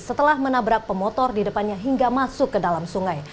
setelah menabrak pemotor di depannya hingga masuk ke dalam sungai